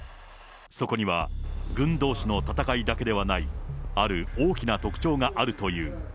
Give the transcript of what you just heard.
そこには軍どうしの戦いだけではない、ある大きな特徴があるという。